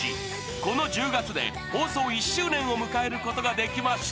この１０月で放送１周年を迎えることができました。